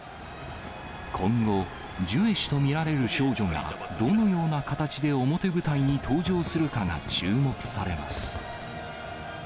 今後、ジュエ氏と見られる少女が、どのような形で表舞台に登場するかが注目されます。